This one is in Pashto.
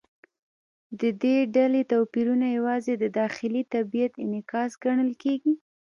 د دې ډلې توپیرونه یوازې د داخلي طبیعت انعکاس ګڼل کېږي.